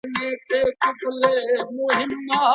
بحثونه زده کوونکي په فکر کولو مجبوروي.